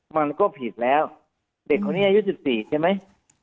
มันก็ผิดแล้วเด็กคนนี้อายุ๑๔ใช่ไหม